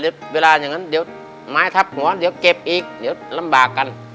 เวลาเงี้ยะอย่างงั้นไม้ทับหัวเดี๋ยวเก็บอีกเดี๋ยวลำบากกัน